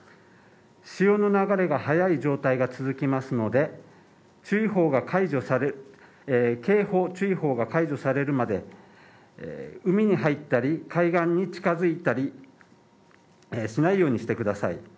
潮の流れが速い状態が続きますので、警報、注意報が解除されるまで、海に入ったり、海岸に近づいたりしないようにしてください。